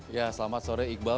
ya selamat sore iqbal